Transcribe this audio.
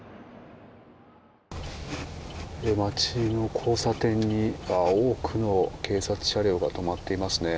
街の交差点には多くの警察車両が止まっていますね。